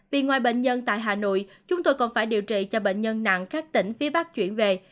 vì ngoài bệnh nhân tại hà nội chúng tôi còn phải điều trị cho bệnh nhân nặng các tỉnh phía bắc chuyển về